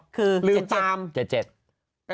คือ๗๗